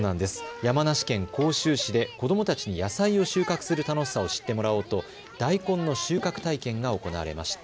山梨県甲州市で子どもたちに野菜を収穫する楽しさを知ってもらおうと大根の収穫体験が行われました。